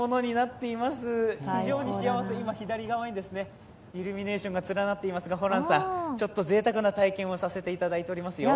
非常に幸せ、今、左側にイルミネーションが連なっていますが、ホランさん、ちょっとぜいたくな体験をさせていただいておりますよ。